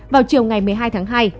vào chiều ngày một mươi hai tháng hai